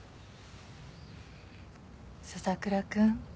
笹倉君。